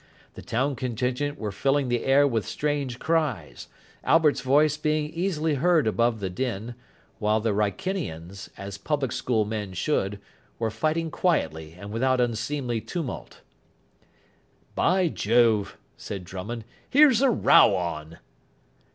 The town contingent were filling the air with strange cries, Albert's voice being easily heard above the din, while the Wrykinians, as public school men should, were fighting quietly and without unseemly tumult. "By Jove," said Drummond, "here's a row on."